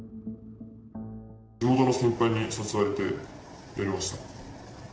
地元の先輩に誘われてやりました。